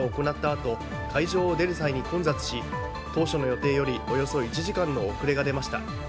あと会場を出る際に混雑し当初の予定よりおよそ１時間の遅れが出ました。